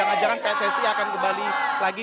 ada semacam kekhawatiran jangankan pssi akan kembali lagi